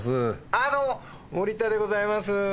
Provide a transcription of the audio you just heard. ああどうも森田でございます。